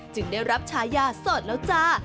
จึงได้รับชายาสดแล้วจ้า